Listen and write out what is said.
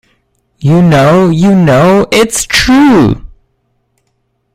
You know, you know, it's true!